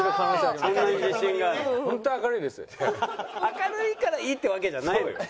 明るいからいいってわけじゃないのよ。